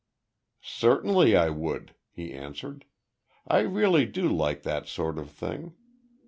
"Certainly I would," he answered. "I really do like that sort of thing."